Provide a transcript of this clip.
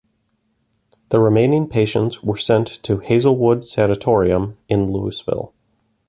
The remaining patients were sent to Hazelwood Sanatorium in Louisville.